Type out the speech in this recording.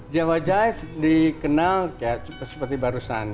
jawa dive dikenal seperti barusan